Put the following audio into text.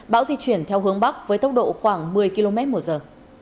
bão di chuyển theo hướng bắc với tốc độ khoảng một mươi km một giờ